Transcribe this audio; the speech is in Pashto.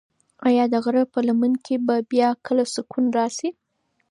ایا د غره په لمن کې به بیا کله سکون راشي؟